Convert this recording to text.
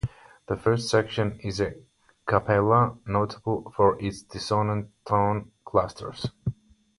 The first section is a cappella, notable for its dissonant tone clusters.